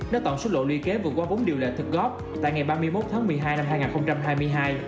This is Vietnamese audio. nếu tổng số lỗ lưu kế vượt qua vốn điều lệ thực góp tại ngày ba mươi một tháng một mươi hai năm hai nghìn hai mươi hai